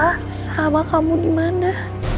rama kamu dimana